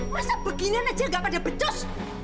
masa beginian aja gak pada becos